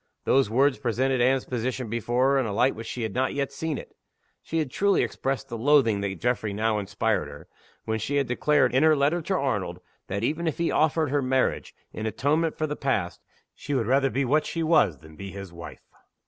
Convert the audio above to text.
Those words presented Anne's position before her in a light in which she had not seen it yet. She had truly expressed the loathing that Geoffrey now inspired in her, when she had declared, in her letter to Arnold, that, even if he offered her marriage, in atonement for the past, she would rather be what she was than be his wife.